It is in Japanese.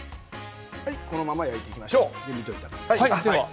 このまま焼いていきましょう。